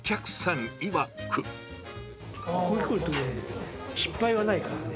ここへ来るとね、失敗はないからね。